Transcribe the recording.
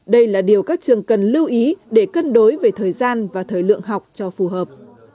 đây là điều các trường cần lưu ý để cân đối về thời gian và thời lượng học cho phù hợp